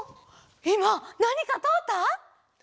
いまなにかとおった？